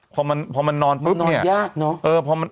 พอมันนอนปุ๊บเนี่ยนอนยากเนอะ